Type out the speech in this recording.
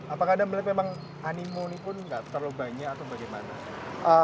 apakah anda melihat memang animo ini pun nggak terlalu banyak atau bagaimana